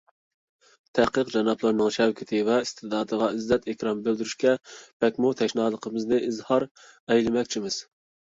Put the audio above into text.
تەھقىق جانابلىرىنىڭ شەۋكىتى ۋە ئىستېداتىغا ئىززەت - ئىكرام بىلدۈرۈشكە بەكمۇ تەشنالىقىمىزنى ئىزھار ئەيلىمەكچىمىز.